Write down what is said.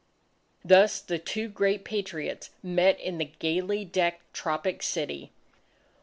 Thus the two great Patriots met in the gayly decked tropic city.